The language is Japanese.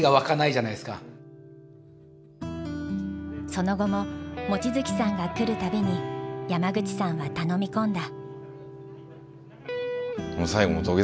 その後も望月さんが来る度に山口さんは頼み込んだ。